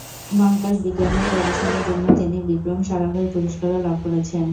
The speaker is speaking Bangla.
মহাকাশ বিজ্ঞানের গবেষণার জন্য তিনি বিক্রম সারাভাই পুরস্কারও লাভ করেছেন।